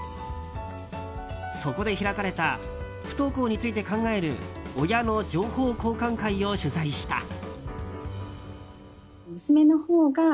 そこで開かれた不登校について考える親の情報交換会を取材した。